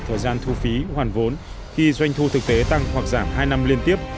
thời gian thu phí hoàn vốn khi doanh thu thực tế tăng hoặc giảm hai năm liên tiếp